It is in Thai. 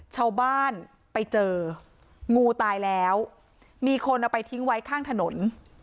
ชาวบ้านไปเจองูตายแล้วมีคนเอาไปทิ้งไว้ข้างถนน